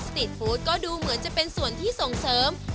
ตีทฟู้ดก็ดูเหมือนจะเป็นส่วนที่ส่งเสริม